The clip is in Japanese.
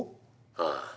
ああ。